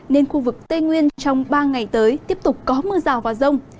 nên khu vực tây nguyên trong ba ngày tới tiếp tục có mưa rào và rông